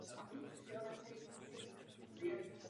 Podstatou interkulturního dialogu je tolerance.